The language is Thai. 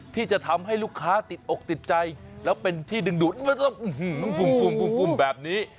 ที่จะทำให้ลูกค้าติดอกติดใจแล้วเป็นที่ดึงดูดฟุ่มแบบนี้